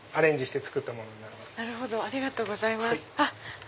ありがとうございます。